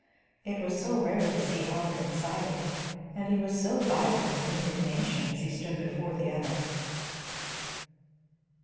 It was so rare to see Allard excited and he was so vibrant with indignation as he stood before the other.